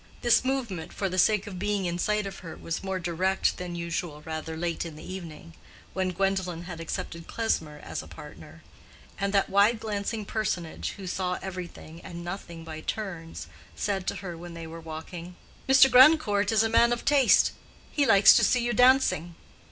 This movement for the sake of being in sight of her was more direct than usual rather late in the evening, when Gwendolen had accepted Klesmer as a partner; and that wide glancing personage, who saw everything and nothing by turns, said to her when they were walking, "Mr. Grandcourt is a man of taste. He likes to see you dancing."